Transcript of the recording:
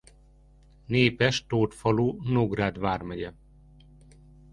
Népes tót falu Nógrád Vármegy.